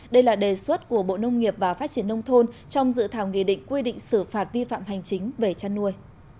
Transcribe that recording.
đây là đề xuất của bộ nông nghiệp và phát triển nông thôn trong dự thảo nghị định quy định xử phạt vi phạm hành chính về chăn nuôi